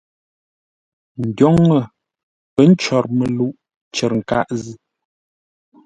Ndwoŋə pə̌ ncwor məluʼ cər nkâʼ zʉ́.